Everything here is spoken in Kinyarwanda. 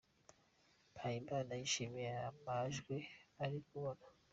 Mpayimana yishimiye amajwi ari kubona.